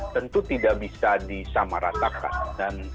tentu tidak bisa disamaratakan dan